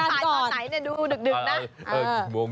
เขาขายตอนไหนเนี่ยดูดึกนะ